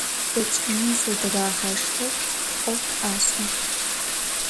Zeç'emi zedırağaşşteu 'of aş'e.